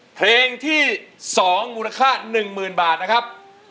เพลงที่๒มูลค่า๑๐๐๐บาทนะครับ